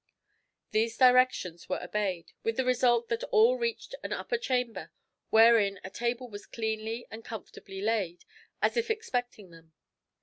These directions were obeyed, with the result that all reached an upper chamber, wherein a table was cleanly and comfortably laid, as if expecting them.